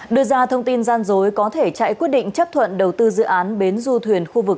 đưa ra thông tin gian dối có thể chạy quyết định chấp thuận đầu tư dự án bến du thuyền khu vực